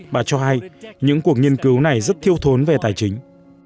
bà cho hay những cuộc nghiên cứu này rất thiêu thốn về tài chính